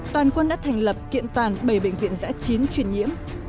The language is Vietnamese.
toàn quân đã thành lập kiện toàn bảy bệnh viện giã chiến chuyển nhiễm